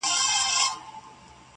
هر اندام یې وو له وېري لړزېدلی!!